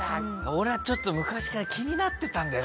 俺はちょっと昔から気になってたんだよ